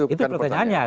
itu pertanyaannya kan